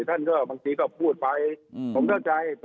เธอบางทีก็พูดไป